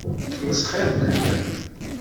Yettmesxiṛ fell-am.